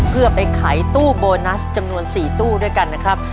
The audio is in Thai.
เพื่อไปขายตู้โบนัสจำนวน๔ตู้ด้วยกันนะครับ